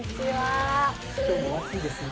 今日もお暑いですね。